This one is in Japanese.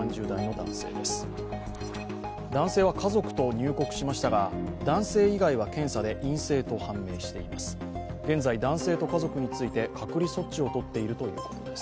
男性は家族と入国しましたが男性以外は検査で陰性と判明しています。